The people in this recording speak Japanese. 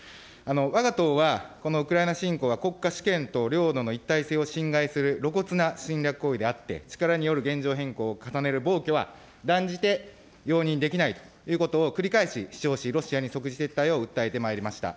わが党は、このウクライナ侵攻は国家主権と領土の一体性を侵害する露骨な侵略行為であって、力による現状変更を重ねる暴挙は、断じて容認できないということを繰り返し主張し、ロシアに即時撤退を訴えてまいりました。